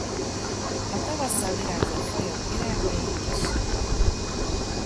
A tavasszal virágzók fajok virágai kisebbek.